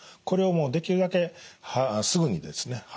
これをもうできるだけすぐにですね